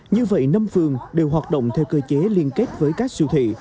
như vậy năm phường đều hoạt động theo cơ chế liên kết với các siêu thị